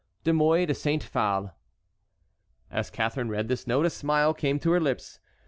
"De Mouy De Saint Phale." As Catharine read this note a smile came to her lips.